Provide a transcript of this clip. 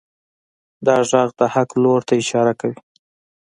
دا غږ د حق لور ته اشاره کوي.